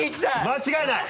間違いない！